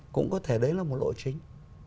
cũng có thể đấy là một lộ trình